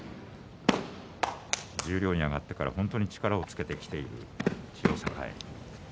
十両に上がってから本当に力をつけてきている千代栄。